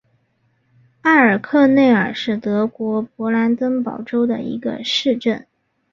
埃尔克内尔是德国勃兰登堡州的一个市镇。